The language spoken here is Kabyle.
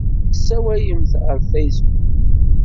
Ur ssawalemt ɣef Facebook.